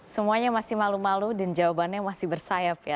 semuanya masih malu malu dan jawabannya masih bersayap ya